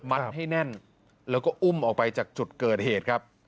ให้แน่นแล้วก็อุ้มออกไปจากจุดเกิดเหตุครับ